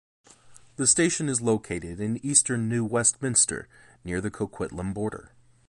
The station is located in eastern New Westminster, near the Coquitlam border.